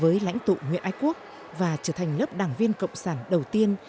đồng chí lê duẩn đã trở thành đại diện ái quốc và trở thành lớp đảng viên cộng sản đầu tiên